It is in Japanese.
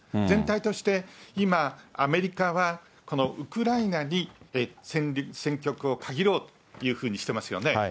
全体として今、アメリカは、ウクライナに戦局を限ろうというふうにしてますよね。